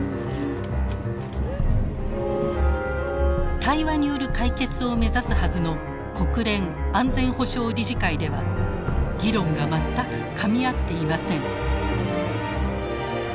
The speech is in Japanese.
対話による解決を目指すはずの国連安全保障理事会では議論が全くかみ合っていません。